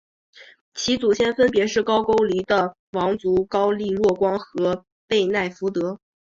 其祖先分别是高句丽的王族高丽若光和背奈福德。